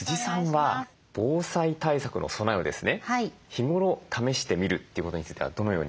日頃試してみるということについてはどのように？